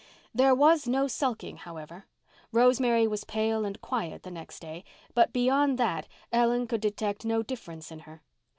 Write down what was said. There was no sulking, however. Rosemary was pale and quiet the next day, but beyond that Ellen could detect no difference in her.